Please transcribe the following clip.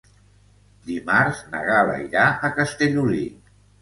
Dimarts na Gal·la irà a Castellolí.